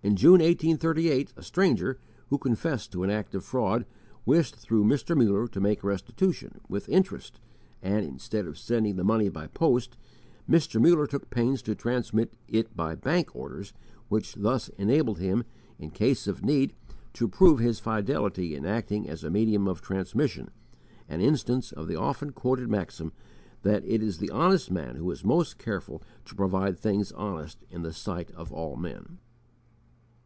_ In June, 1838, a stranger, who confessed to an act of fraud, wished through Mr. Muller to make restitution, with interest; and, instead of sending the money by post, Mr. Muller took pains to transmit it by bank orders, which thus enabled him, in case of need, to prove his fidelity in acting as a medium of transmission an instance of the often quoted maxim that it is the honest man who is most careful to provide things honest in the sight of all men.